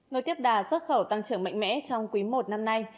ngồi tiếp đà xuất khẩu tăng trưởng mạnh mẽ trong quý i năm nay